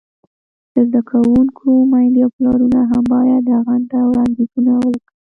د زده کوونکو میندې او پلرونه هم باید رغنده وړاندیزونه وکړي.